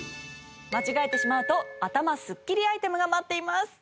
間違えてしまうと頭スッキリアイテムが待っています。